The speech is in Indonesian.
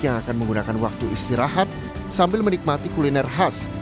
yang akan menggunakan waktu istirahat sambil menikmati kuliner khas